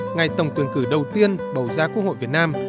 ngày tổng tuyển cử đầu tiên bầu ra quốc hội việt nam